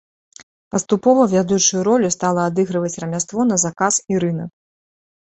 Паступова вядучую ролю стала адыгрываць рамяство на заказ і рынак.